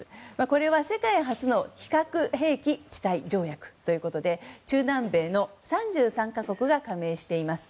これは世界初の非核兵器地帯条約ということで中南米の３３か国が加盟しています。